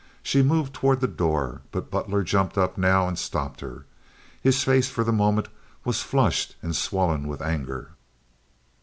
She moved toward the door; but Butler jumped up now and stopped her. His face for the moment was flushed and swollen with anger.